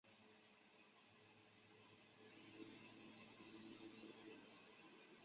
同时她还出任全国人大机关党组成员。